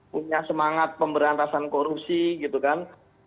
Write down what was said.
punya semangat pemberantasan korupsi gitu kan